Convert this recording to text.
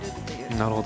なるほど。